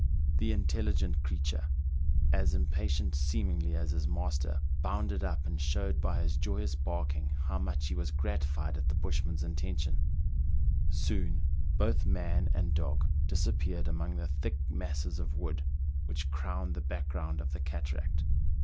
The intelligent creature. THREE ENGLISHMEN AND THREE RUSSIANS. II as impatient, seemingly, as his master, bounded up, and showed by his joyous barking how much he was gratified at the bushman's intention. Soon both man and dog dis appeared among the thick masses of wood which crowned the background of the cataract.